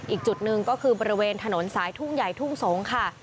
อีกจุดหนึ่งก็คือบริเวณถนนสายทุ่งใหญ่ทุ่งสงศ์ค่ะ